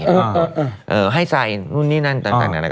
ก็ช่วยแต่งเนื้อแต่งตัว